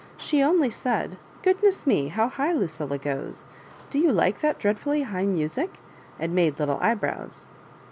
" She only said, ' Goodness me I how high Lucilla goes ! Do you like that dreadfully high music?* and made little eyebrows."